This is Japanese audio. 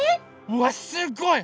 うわすごい！